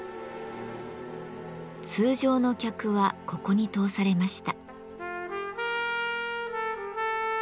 通常の客はここに通されました。